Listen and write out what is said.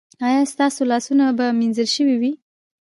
ایا ستاسو لاسونه به مینځل شوي وي؟